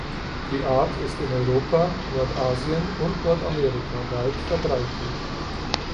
Die Art ist in Europa, Nordasien und Nordamerika weit verbreitet.